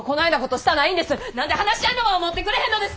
何で話し合いの場を持ってくれへんのですか！